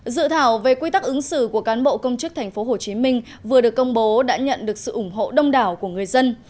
dự thảo về quy tắc ứng xử của cán bộ công chức tp hcm vừa được công bố đã nhận được sự ủng hộ đông đảo của người dân